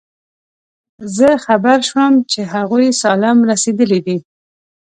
زه خبر شوم چې هغوی سالم رسېدلي دي.